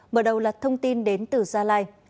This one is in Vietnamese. mở đầu là thông tin đến từ gia lai